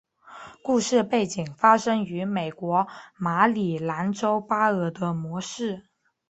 故事背景发生于美国马里兰州巴尔的摩市。